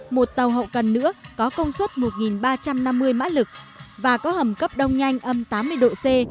một tàu hậu cần nữa có công suất một ba trăm năm mươi mã lực và có hầm cấp đông nhanh âm tám mươi độ c